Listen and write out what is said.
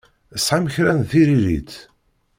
Tesɛamt kra n tiririt?